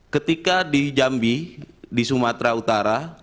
ketika di jambi di sumatera utara